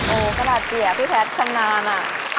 โอ้ขนาดเตี๋ยวพี่แพทย์ทำนานอ่ะ